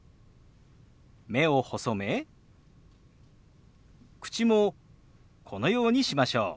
目を細め口もこのようにしましょう。